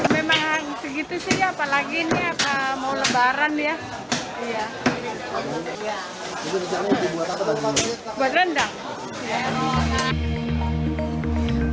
memang segitu sih apalagi ini mau lebaran ya